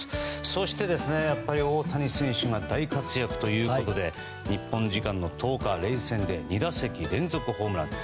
そして、やっぱり大谷選手が大活躍ということで日本時間の１０日、レイズ戦で２打席連続ホームラン。